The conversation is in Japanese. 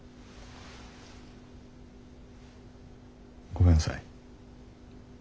ごめんなさい。